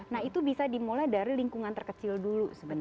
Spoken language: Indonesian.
nah itu bisa dimulai dari lingkungan terkecil dulu